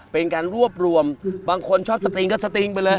เป็นการรวบรวมบางคนชอบสติงก็สติงไปเลย